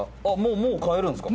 もう買えるんですか？